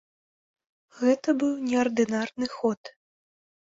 Гэта быў неардынарны ход.